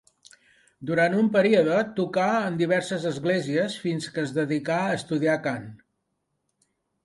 Durant un període tocà en diverses esglésies, fins que es dedicà a estudiar cant.